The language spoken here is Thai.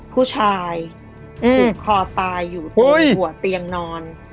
ผู้ชายผูกคอตายอยู่ที่หัวเตียงนอน